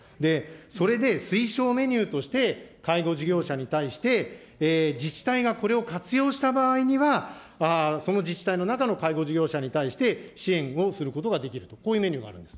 それで推奨メニューとして、介護事業者に対して、自治体がこれを活用した場合には、その自治体の中の介護事業者に対して支援をすることができると、こういうメニューがあるんです。